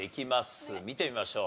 見てみましょう。